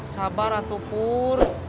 sabar atuk pur